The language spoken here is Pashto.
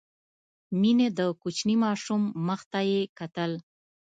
مينې د کوچني ماشوم مخ ته يې کتل.